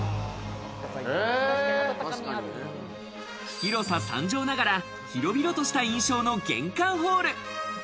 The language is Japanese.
広さ３帖ながら広々とした印象の玄関ホール。